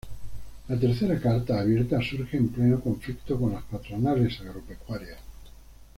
La tercera carta abierta surge en pleno conflicto con las patronales agropecuarias.